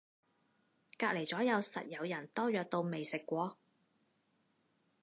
隔離咗右實有人多藥到未食過